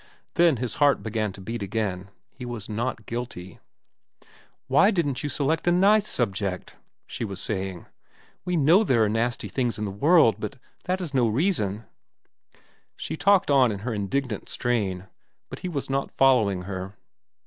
Then his heart began to beat again. He was not guilty. "Why didn't you select a nice subject?" she was saying. "We know there are nasty things in the world, but that is no reason—" She talked on in her indignant strain, but he was not following her.